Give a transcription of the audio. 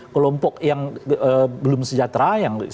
kelompok yang belum sejahtera